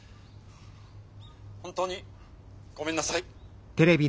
本当にごめんなさい」。